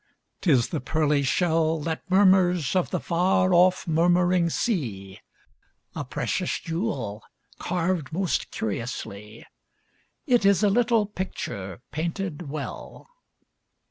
T is the pearly shell That mormnrs of the f ar o£P murmuring sea ; A precious jewel carved most curiously ; It is a little picture painted well.